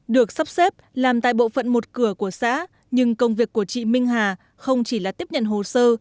được sắp xếp làm tại bộ phận một cửa của xã nhưng công việc của chị minh hà không chỉ là tiếp nhận hồ sơ